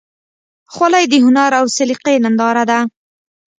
خولۍ د هنر او سلیقې ننداره ده.